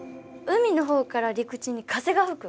海の方から陸地に風が吹く。